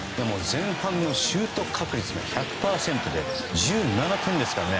前半のシュート確率が１００％で１７ポイントですからね。